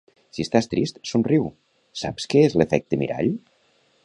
Si estàs trist, somriu, saps què és l'efecte mirall?